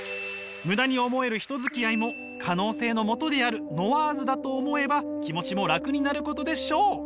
ムダに思える人付き合いも可能性のもとであるノワーズだと思えば気持ちも楽になることでしょう！